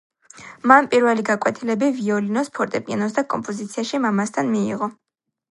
მან პირველი გაკვეთილები ვიოლინოს, ფორტეპიანოს და კომპოზიციაში მამასთან მიიღო.